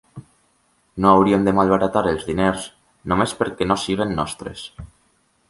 No hauríem de malbaratar els diners només perquè no siguin nostres.